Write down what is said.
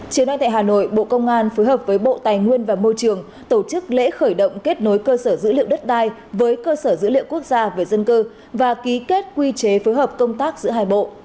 chiều nay tại hà nội bộ công an phối hợp với bộ tài nguyên và môi trường tổ chức lễ khởi động kết nối cơ sở dữ liệu đất đai với cơ sở dữ liệu quốc gia về dân cư và ký kết quy chế phối hợp công tác giữa hai bộ